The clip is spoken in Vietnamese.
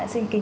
trong ba địa